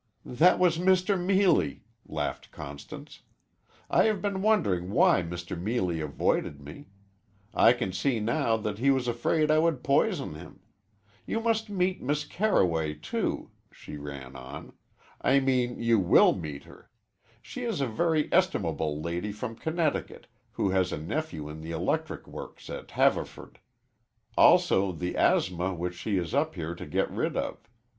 "That was Mr. Meelie," laughed Constance. "I have been wondering why Mr. Meelie avoided me. I can see now that he was afraid I would poison him. You must meet Miss Carroway, too," she ran on. "I mean you will meet her. She is a very estimable lady from Connecticut who has a nephew in the electric works at Haverford; also the asthma, which she is up here to get rid of.